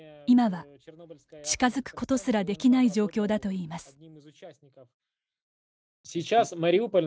今は近づくことすらできない状況だといいます。